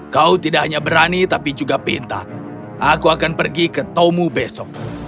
kau tidak hanya berani tapi juga pintar aku akan pergi ketemu besok